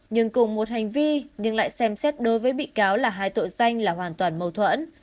nhưng cùng một hành vi nhưng lại xem xét đối với bị cáo là hai tội danh là hoàn toàn mâu thuẫn